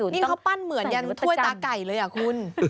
นี่เขาปั้นเหมือนยันถ้วยตาไก่เลยคุณ